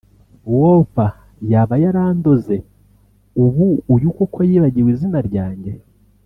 Wolper yaba yarandoze; ubu uyu koko yibagiwe izina rya njye